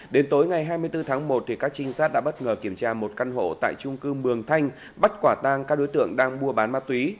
đến tối ngày hai mươi bốn tháng một các trinh sát đã bất ngờ kiểm tra một căn hộ tại trung cư mường thanh bắt quả tang các đối tượng đang mua bán ma túy